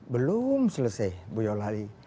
belum selesai bu yolali